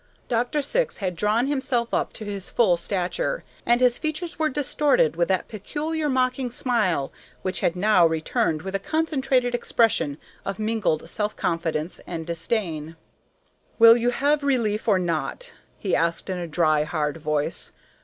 Dr. Syx had drawn himself up to his full stature, and his features were distorted with that peculiar mocking smile which had now returned with a concentrated expression of mingled self confidence and disdain. "Will you have relief, or not?" he asked in a dry, hard voice.